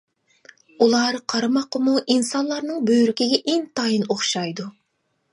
ئۇلار قارىماققىمۇ ئىنسانلارنىڭ بۆرىكىگە ئىنتايىن ئوخشايدۇ.